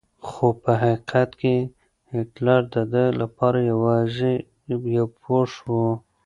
خو په حقیقت کې هېټلر د ده لپاره یوازې یو پوښ و.